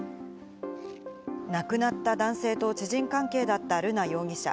亡くなった男性と知人関係だった瑠奈容疑者。